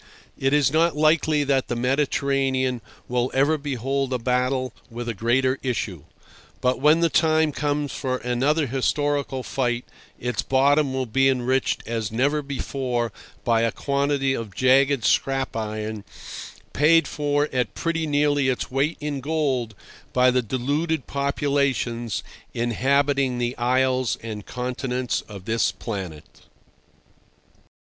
It is not likely that the Mediterranean will ever behold a battle with a greater issue; but when the time comes for another historical fight its bottom will be enriched as never before by a quantity of jagged scrap iron, paid for at pretty nearly its weight of gold by the deluded populations inhabiting the isles and continents of this planet.